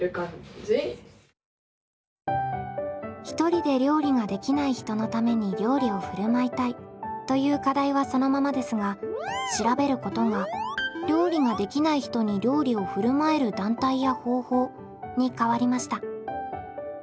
ひとりで料理ができない人のために料理をふるまいたいという課題はそのままですが「調べること」が料理ができない人に料理をふるまえる団体や方法に変わりました。